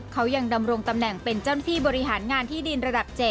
เขายังดำรงตำแหน่งเป็นเจ้าหน้าที่บริหารงานที่ดินระดับ๗